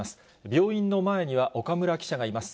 病院の前には岡村記者がいます。